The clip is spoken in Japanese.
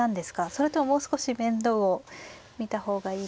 それとももう少し面倒を見た方がいいのか。